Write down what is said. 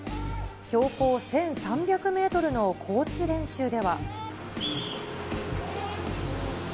標高１３００メートルの高地練習では。